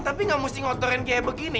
tapi nggak mesti ngotorin kayak begini